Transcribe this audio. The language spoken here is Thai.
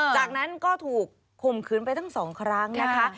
จากนั้นก็ถูกข่มขืนไปทั้งสองครั้งนะคะ